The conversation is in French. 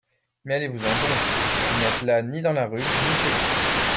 Mais allez-vous-en donc… vous n’êtes là ni dans la rue, ni chez vous.